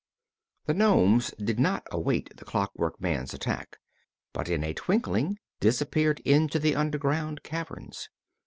The nomes did not await the Clockwork Man's attack but in a twinkling disappeared into the underground caverns.